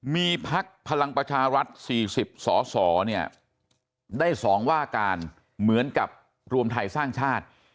มีพักพลังประชารัฐ๔๐สสเนี่ยได้๒ว่าการเหมือนกับรวมไทยสร้างชาติ